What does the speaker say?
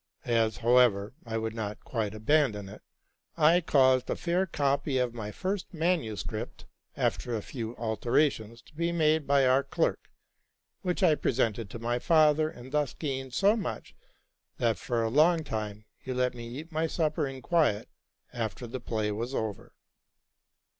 aes however, I would not quite abandon it, I caused a fair copy of my first manuscript, after a few alterations, to be made by our clerk, which I presented to my father, and thus gained so much, that, for a long time, he let me eat my supper in quiet after the play was over.